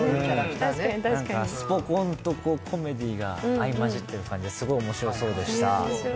スポ根とコメディーが合い交じってる感じがすごい面白そうでした。